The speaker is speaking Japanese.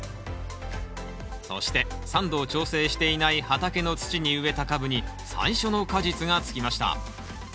そして酸度を調整していない畑の土に植えた株に最初の果実がつきました。